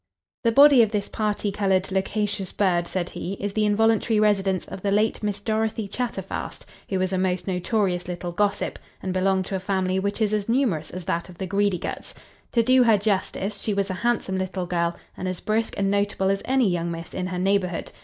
"The body of this party coloured, loquacious bird, said he, is the involuntary residence of the late Miss Dorothy Chatterfast; who was a most notorious little gossip, and belonged to a family which is as numerous as that of the Greedyguts. To do her justice, she was a handsome little girl, and as brisk and notable as any young miss in her neighbourhood.